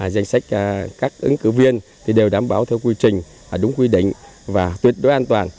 danh sách các ứng cử viên đều đảm bảo theo quy trình đúng quy định và tuyệt đối an toàn